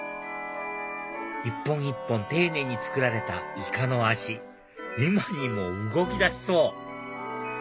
一本一本丁寧に作られたイカの脚今にも動きだしそう